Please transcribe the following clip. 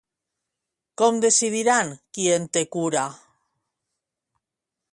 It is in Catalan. Com decidiran qui en té cura?